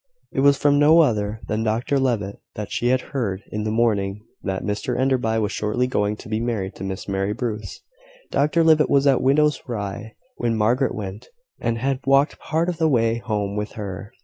It was from no other than Dr Levitt that she had heard in the morning that Mr Enderby was shortly going to be married to Miss Mary Bruce. Dr Levitt was at Widow Rye's when Margaret went, and had walked part of the way home with her.